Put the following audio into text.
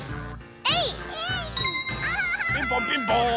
ピンポンピンポーン。